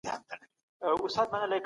ویل خیر کړې